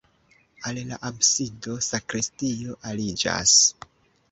Al la absido sakristio aliĝas.